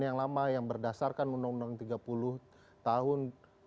yang lama yang berdasarkan undang undang tiga puluh tahun dua ribu dua